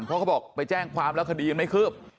เพราะเขาบอกไปแจ้งความแล้วคดียังไม่คืบ